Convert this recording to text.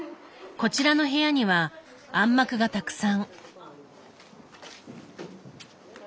こちらの部屋には暗幕がたくさん。